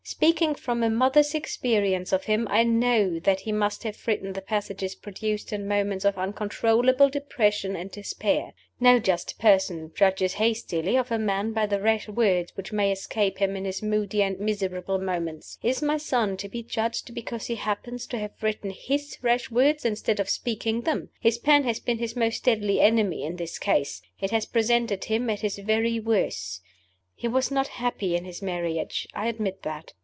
Speaking from a mother's experience of him, I know that he must have written the passages produced in moments of uncontrollable depression and despair. No just person judges hastily of a man by the rash words which may escape him in his moody and miserable moments. Is my son to be so judged because he happens to have written his rash words, instead of speaking them? His pen has been his most deadly enemy, in this case it has presented him at his very worst. He was not happy in his marriage I admit that.